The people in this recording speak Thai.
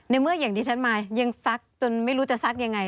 เมื่ออย่างดิฉันมายังซักจนไม่รู้จะซักยังไง